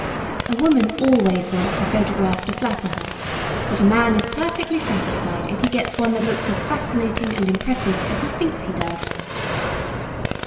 A woman always wants her photograph to flatter her, but a man is perfectly satisfied if he gets one that looks as fascinating and impressive as he thinks he does.